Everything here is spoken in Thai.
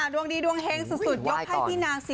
ดวงดีดวงเฮงสุดยกให้พี่นางสิ